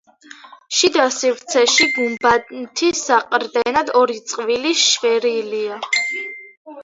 შიდა სივრცეში გუმბათის საყრდენად ორი წყვილი შვერილია.